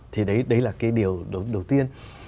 thì đấy là cái điều đầu tiên